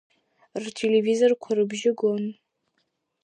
Ртелевизорқәа рыбжьы гон.